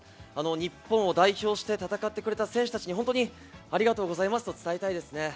日本を代表して戦ってくれた選手たちにありがとうございますと伝えたいですね。